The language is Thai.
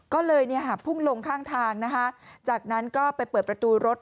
ก็เลยพุ่งลงข้างทางนะคะจากนั้นก็ไปเปิดประตูรถ